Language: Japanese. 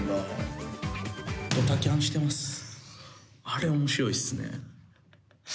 あれ面白いっすね。